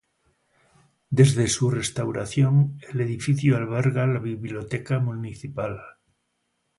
Desde su restauración el edificio alberga la biblioteca municipal.